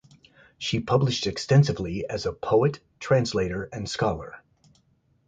She published extensively, as a poet, translator, and scholar.